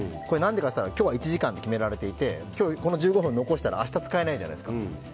これ、なんでかって言ったら今日は１５分って決められていて今日この１５分を残したら明日使えないじゃないですか。